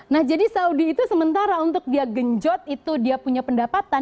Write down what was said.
nah jadi saudi itu sementara untuk dia genjot itu dia punya pendapatan